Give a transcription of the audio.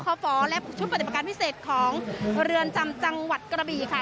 ฝและชุดปฏิบัติการพิเศษของเรือนจำจังหวัดกระบี่ค่ะ